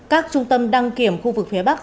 các trung tâm đăng kiểm khu vực phía bắc